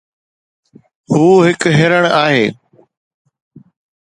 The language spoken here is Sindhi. هو هڪ هرڻ آهي